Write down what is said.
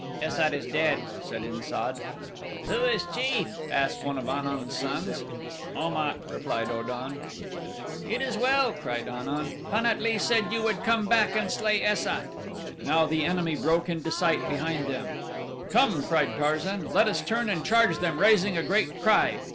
"Es sat is dead," said In sad. "Who is chief?" asked one of An un's sons. "Om at," replied O dan. "It is well," cried An un. "Pan at lee said that you would come back and slay Es sat." Now the enemy broke into sight behind them. "Come!" cried Tarzan, "let us turn and charge them, raising a great cry.